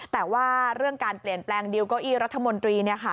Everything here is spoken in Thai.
แต่ว่าเรื่องการเปลี่ยนแปลงดิวเก้าอี้รัฐมนตรี